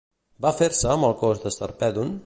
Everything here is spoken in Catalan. Va fer-se amb el cos de Sarpèdon?